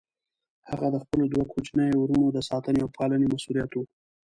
هغه د خپلو دوه کوچنيو وروڼو د ساتنې او پالنې مسئوليت و.